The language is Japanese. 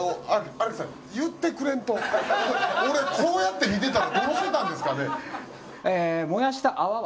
俺こうやって見てたらどうしてたんですかね？